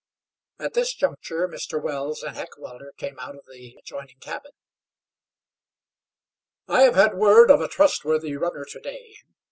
At this juncture Mr. Wells and Heckewelder came out of the adjoining cabin. "I had word from a trustworthy runner to day.